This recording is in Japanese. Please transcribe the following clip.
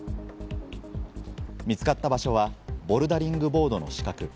見つかった場所はボルダリングボードの死角。